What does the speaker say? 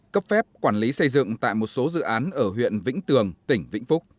cấp phép quản lý xây dựng tại một số dự án ở huyện vĩnh tường tỉnh vĩnh phúc